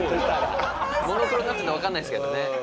モノクロになってるのでわからないですけどね。